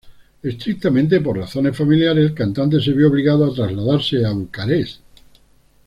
Estrictamente por razones familiares, la cantante se vio obligada a trasladarse a Bucarest.